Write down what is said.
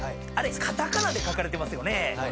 あれカタカナで書かれてますよね。